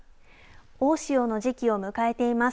大潮の時期を迎えています。